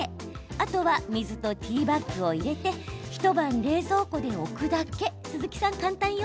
あとは水とティーバッグを入れて一晩、冷蔵庫で置くだけ。